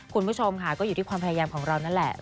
คุณผู้ชมค่ะก็อยู่ที่ความพยายามของเรานั่นแหละ